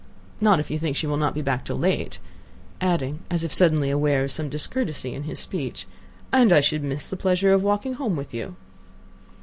"Not if you think she will not be back till late," adding, as if suddenly aware of some discourtesy in his speech, "and I should miss the pleasure of walking home with you."